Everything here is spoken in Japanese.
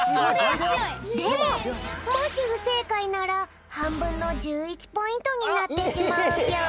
でももしふせいかいならはんぶんの１１ポイントになってしまうぴょん。